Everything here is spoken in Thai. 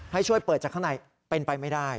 ให้ช่วยเปิดจากข้างในเป็นไปไม่ได้